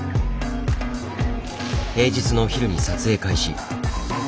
平日のお昼に撮影開始。